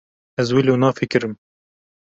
Ez wilo nafikirim.